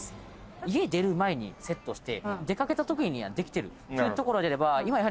家出る前にセットして出掛けたときにはできてるっていうところであれば。